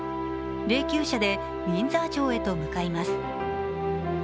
霊きゅう車でウィンザー城へと向かいます。